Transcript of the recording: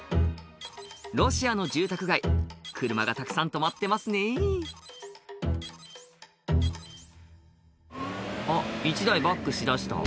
ロシアの住宅街車がたくさん止まってますねぇ「あっ１台バックしだした」